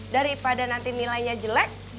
daripada nanti nilainya jelek